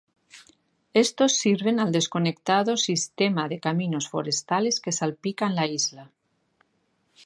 Estos sirven al desconectado sistema de caminos forestales que salpican la isla.